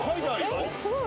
すごい